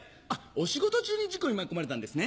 お仕事中に事故に巻き込まれたんですね。